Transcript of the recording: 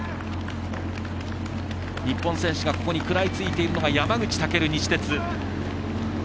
日本選手でここに食らいついているのが山口武、西鉄。